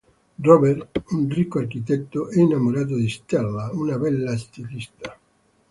Robert, un ricco architetto, è innamorato di Stella, una bella stilista.